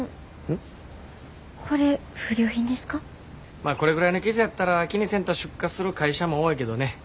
まあこれぐらいの傷やったら気にせんと出荷する会社も多いけどね